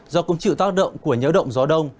do cũng chịu tác động của nhiễu động gió đông